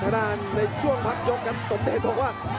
ด้านในช่วงพักยกครับสมเดชบอกว่า